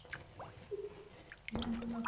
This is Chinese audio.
此盖古之道也。